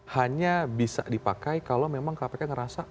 hanya bisa dipakai kalau memang kpk ngerasa